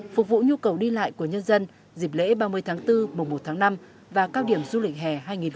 phục vụ nhu cầu đi lại của nhân dân dịp lễ ba mươi tháng bốn mùa một tháng năm và cao điểm du lịch hè hai nghìn hai mươi bốn